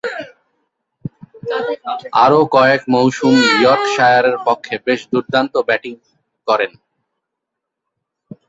আরও কয়েক মৌসুম ইয়র্কশায়ারের পক্ষে বেশ দূর্দান্ত ব্যাটিং করেন।